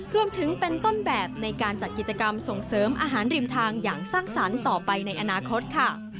รวมถึงเป็นต้นแบบในการจัดกิจกรรมส่งเสริมอาหารริมทางอย่างสร้างสรรค์ต่อไปในอนาคตค่ะ